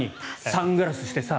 サングラスしてさ。